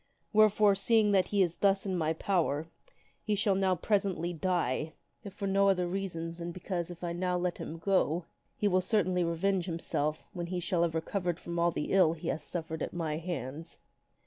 Wherefore, seeing that he is thus in my power, he shall now presently die ; if for no other reason than because if I now let him go free, he will certainly revenge himself when he shall have recovered from all the ill he hath suffered at my hands."